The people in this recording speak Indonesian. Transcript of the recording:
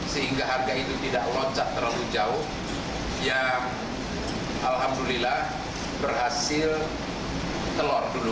sehingga harga itu tidak loncat terlalu jauh yang alhamdulillah berhasil telur dulu